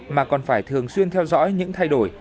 mà còn phải thường xuyên theo dõi những thay đổi